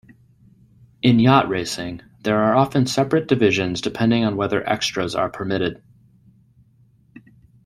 In yacht racing, there are often separate divisions depending on whether extras are permitted.